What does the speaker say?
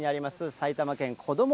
埼玉県こども